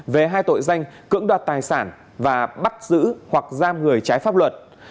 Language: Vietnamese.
về hai tội danh cưỡng đoạt tài sản và bắt giữ hoặc giam người trái pháp luật